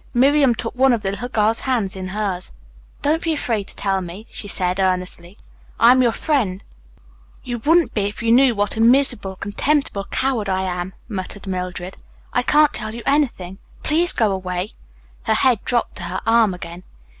Miriam took one of the little girl's hands in hers. "Do not be afraid to tell me," she said earnestly. "I am your friend." "You wouldn't be if you knew what a miserable, contemptible coward I am," muttered Mildred. "I can't tell you anything. Please go away." Her head dropped to her arm again.